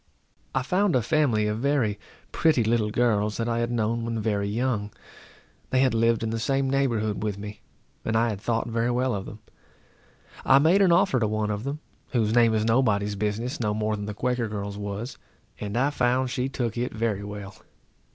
I found a family of very pretty little girls that I had known when very young. They had lived in the same neighborhood with me, and I had thought very well of them. I made an offer to one of them, whose name is nobody's business, no more than the Quaker girl's was, and I found she took it very well.